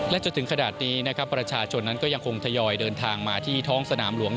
และจนถึงขนาดนี้นะครับประชาชนนั้นก็ยังคงทยอยเดินทางมาที่ท้องสนามหลวง